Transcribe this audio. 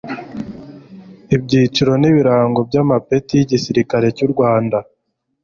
ibyiciro n'ibirango by'amapeti y'Igisirikare cy'u Rwanda